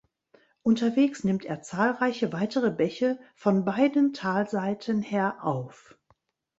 Unterwegs nimmt er zahlreiche weitere Bäche von beiden Talseiten her auf.